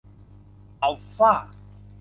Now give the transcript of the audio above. อัลฟ่า